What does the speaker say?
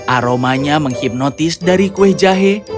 aromanya menghipnotis dari kue jahe